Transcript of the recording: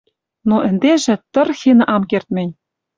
Но ӹндежӹ тырхен ам керд мӹнь.